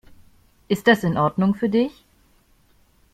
Ist das in Ordnung für dich?